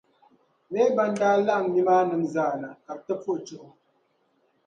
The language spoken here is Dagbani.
Leeban daa laɣim nimaaninim’ zaa na ka bɛ ti puhi chuɣu.